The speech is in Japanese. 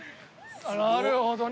なるほどね。